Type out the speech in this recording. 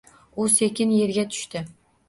U sekin yerga tushdi.